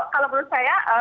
kalau menurut saya